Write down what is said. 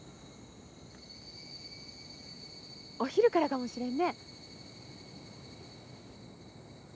お昼からかもしれんね。